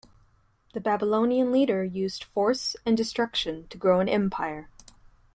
The Babylonian leader used force and destruction to grow an empire.